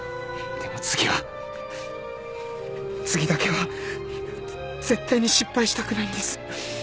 でも次は次だけは絶対に失敗したくないんです。